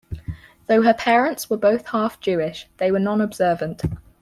Though her parents were both half-Jewish, they were non-observant.